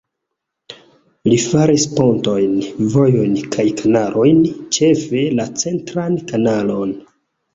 Li faris pontojn, vojojn kaj kanalojn, ĉefe la centran kanalon.